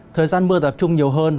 thời gian mưa tập trung nhiều hơn